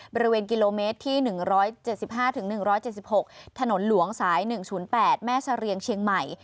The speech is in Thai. บริเวณกิโลเมตรที่๑๗๕๑๗๖ถนนหลวงสาย๑๐๘แม่เสรียงเชียงใหม่